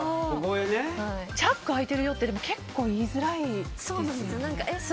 チャック開いてるよってでも結構言いづらいですよね。